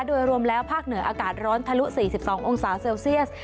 โดยรวมแล้วภาคเหนืออากาศร้อนทะลุ๔๒องศาเซลเซียส